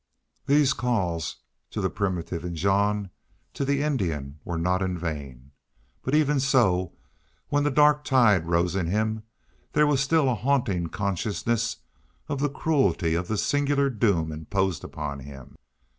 These calls to the primitive in Jean, to the Indian, were not in vain. But even so, when the dark tide rose in him, there was still a haunting consciousness of the cruelty of this singular doom imposed upon him.